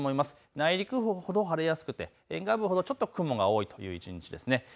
内陸部ほど晴れやすくて南部ほど雲が多いという一日です。